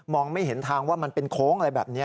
ไม่เห็นทางว่ามันเป็นโค้งอะไรแบบนี้